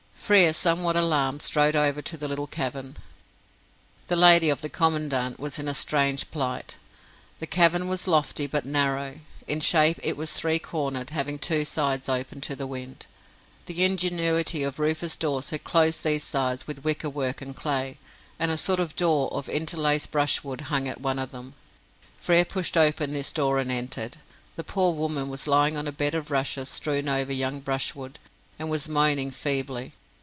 Frere, somewhat alarmed, strode over to the little cavern. The "lady of the Commandant" was in a strange plight. The cavern was lofty, but narrow. In shape it was three cornered, having two sides open to the wind. The ingenuity of Rufus Dawes had closed these sides with wicker work and clay, and a sort of door of interlaced brushwood hung at one of them. Frere pushed open this door and entered. The poor woman was lying on a bed of rushes strewn over young brushwood, and was moaning feebly.